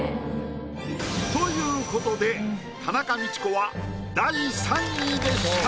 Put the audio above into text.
ということで田中道子は第３位でした。